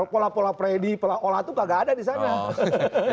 pola pola predi pola pola itu tidak ada di sana